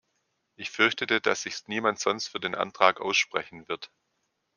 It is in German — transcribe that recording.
Ich fürchtete, dass sich niemand sonst für den Antrag aussprechen wird.